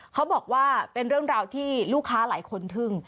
เขาบอกว่าเป็นเรื่องราวที่ลูกค้าหลายคนทึ่ง